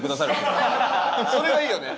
それがいいよね。